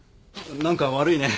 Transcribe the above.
何か悪いね。